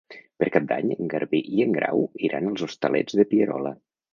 Per Cap d'Any en Garbí i en Grau iran als Hostalets de Pierola.